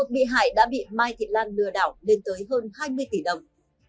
một mươi một bị hại đã bị mai thị lan lừa đảo lên tới hơn hai mươi tỷ đồng